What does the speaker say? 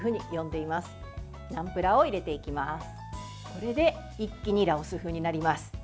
これで一気にラオス風になります。